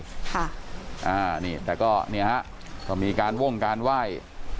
ค่ะอ่านี่แต่ก็เนี่ยฮะก็มีการวงการไหว้